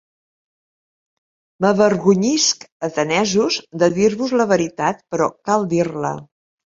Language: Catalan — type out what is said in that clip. M'avergonyisc, atenesos, de dir-vos la veritat, però cal dir-la.